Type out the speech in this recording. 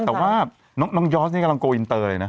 แต่ว่าน้องยอสนี่กำลังโกอินเตยนะ